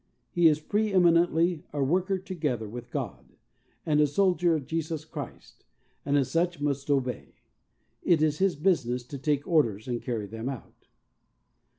He is pre eminently "a worker together with God," and a soldier of Jesus Christ, and as such must obey. It is his business to take orders and carry them out.